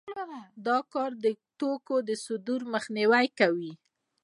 دا کار د توکو د صدور مخنیوی کوي